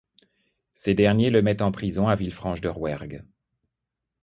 Ces derniers le mettent en prison à Villefranche-de-Rouergue.